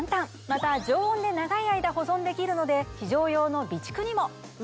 また常温で長い間保存できるので非常用の備蓄にも。